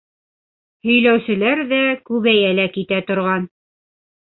Һөйләүселәр ҙә күбәйә лә китә торған.